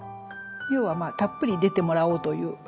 要はまあたっぷり出てもらおうという。